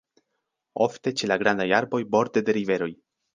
Ofte ĉe la grandaj arboj borde de riveroj.